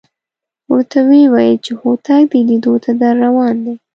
ورته وېویل چې هوتک د لیدو ته درروان دی.